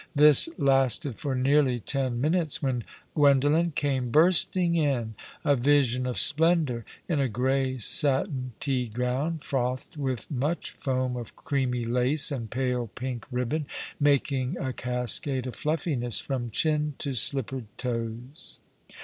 This lasted for nearly ten minutes, when Gwendolen came bursting in, a vision of splendour, in a grey satin tea gown, frothed with much foam of creamy lace and pale pink ribbon, making a cascade of fluffiness from chin to slippered toes.